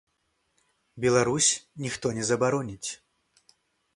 Беларусь, ніхто не забароніць.